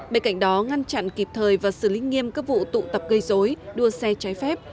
bên cạnh đó ngăn chặn kịp thời và xử lý nghiêm các vụ tụ tập gây dối đua xe trái phép